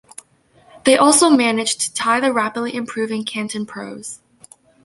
They also managed to tie the rapidly improving Canton Pros.